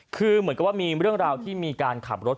คือเหมือนกับว่ามีเรื่องราวที่มีการขับรถ